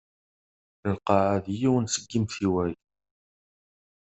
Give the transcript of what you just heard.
Lqaεa d yiwen seg imtiwag.